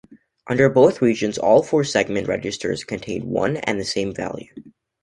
Under both reigns all four segment registers contain one and the same value.